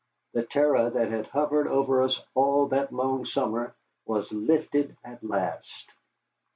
The terror that had hovered over us all that long summer was lifted at last.